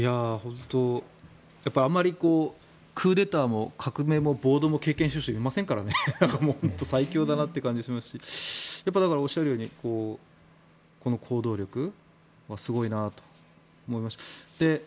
あまりクーデターも革命も暴動も経験している人いませんから最強だなと思いますしおっしゃるようにこの行動力、すごいなと思いました。